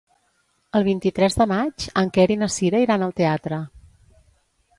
El vint-i-tres de maig en Quer i na Cira iran al teatre.